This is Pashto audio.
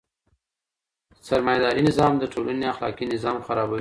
سرمایه داري نظام د ټولني اخلاقي نظام خرابوي.